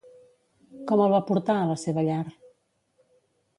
Com el va portar a la seva llar?